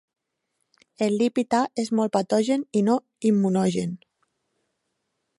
El lípid A és molt patogen i no immunogen.